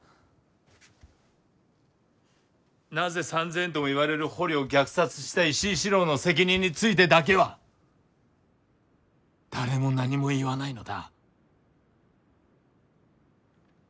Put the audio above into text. なぜ３，０００とも言われる捕虜を虐殺した石井四郎の責任についてだけは誰も何も言わないのだ？